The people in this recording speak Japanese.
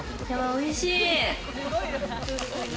おいしい！